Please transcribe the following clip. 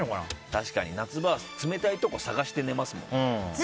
確かに、夏場は冷たいところを探して寝ますものね。